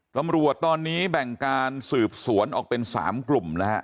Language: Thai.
ตำรวจตอนนี้แบ่งการสืบสวนออกเป็น๓กลุ่มนะฮะ